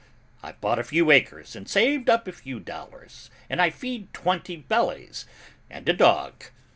I've bought a few acres and saved up a few dollars and I feed twenty bellies and a dog.